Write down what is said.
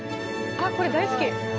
あっこれ大好き。